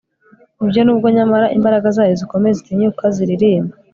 ibyo nubwo nyamara imbaraga zayo zikomeye zitinyuka ziririmba